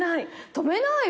止めないよ。